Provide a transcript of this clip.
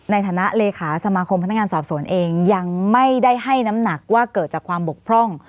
ในฐานะเลขาสมาคมพนักงานสอบสวนเองยังไม่ได้ให้น้ำหนักว่าเกิดจากความบกพร่อง